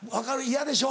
嫌でしょ？